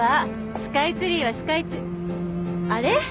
スカイツリーはスカイツあれ？